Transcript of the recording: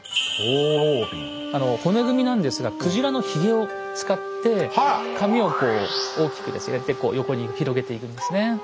骨組みなんですが鯨のひげを使って髪をこう大きく横に広げているんですね。